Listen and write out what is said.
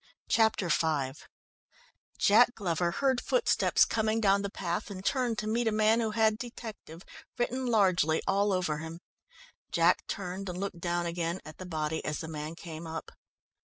Chapter V Jack Glover heard footsteps coming down the path, and turned to meet a man who had "detective" written largely all over him. Jack turned and looked down again at the body as the man came up.